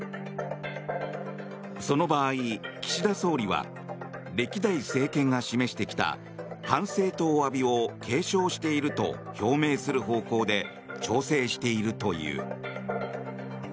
その場合、岸田総理は歴代政権が示してきた反省とおわびを継承していると表明する方向で調整しているという。